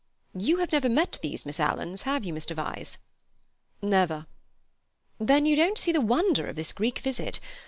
"You have never met these Miss Alans, have you, Mr. Vyse?" "Never." "Then you don't see the wonder of this Greek visit.